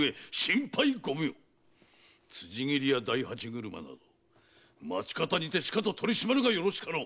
辻斬りや大八車など町方にてしかと取締まるがよろしかろう。